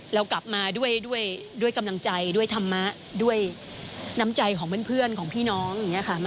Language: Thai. เรากลับมาด้วยกำลังใจด้วยธรรมะด้วยน้ำใจของเพื่อนของพี่น้องอย่างนี้ค่ะ